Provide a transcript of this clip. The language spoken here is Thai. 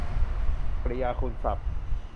กริยาคุณศัพท์